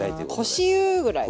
腰湯ぐらいかな。